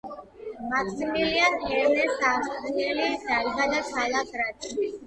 მაქსიმილიან ერნესტ ავსტრიელი დაიბადა ქალაქ გრაცში.